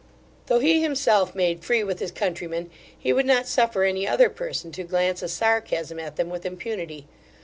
Though he himself made free with his countrymen, he would not suffer any other person to glance a sarcasm at them with impunity.